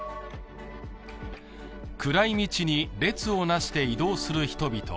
暗い道に列をなして移動する人々。